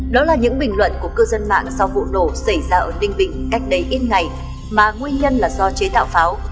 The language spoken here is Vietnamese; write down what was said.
đó là những bình luận của cư dân mạng sau vụ nổ xảy ra ở ninh bình cách đây ít ngày mà nguyên nhân là do chế tạo pháo